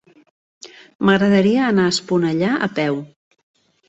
M'agradaria anar a Esponellà a peu.